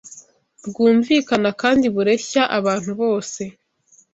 bwumvikana kandi bureshya abantu bose